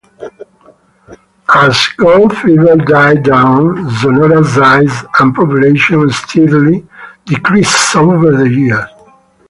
As "gold fever" died down, Sonora's size and population steadily decreased over the years.